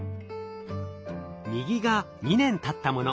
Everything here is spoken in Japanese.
右が２年たったもの。